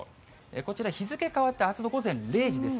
こちら、日付変わってあすの午前０時です。